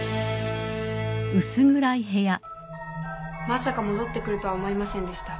まさか戻ってくるとは思いませんでした。